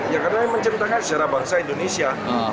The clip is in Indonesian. ya karena menceritakan sejarah bangsa indonesia